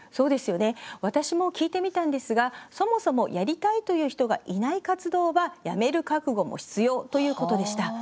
私も聞いてみたのですがそもそも、やりたいという人がいない活動はやめる覚悟も必要ということでした。